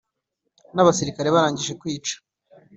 n ‘abasirikari barangije kwica,